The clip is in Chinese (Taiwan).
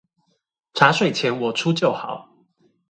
茶水錢我出就好